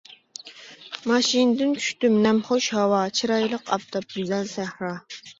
ماشىنىدىن چۈشتۈم، نەمخۇش ھاۋا، چىرايلىق ئاپتاپ، گۈزەل سەھرا.